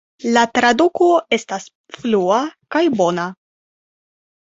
La traduko estas flua kaj bona.